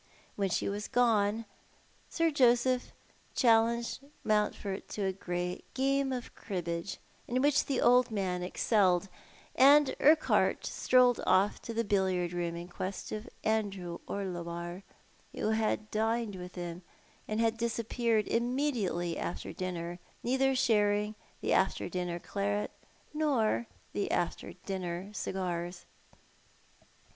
When she was gone Sir Joseph challenged Mounttord to a game of cribbage, in which the old man excelled ; and Urquhart strolled off to the billiard room in quest of Andrew Orlebar, who had dined with them, and had di.'^appeared immediately after dinner, neither sharing the after dinner claret nor tho after dinner cigars.